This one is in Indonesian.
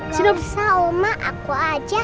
gak usah oma aku aja